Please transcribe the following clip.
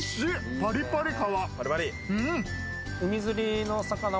パリパリ、皮。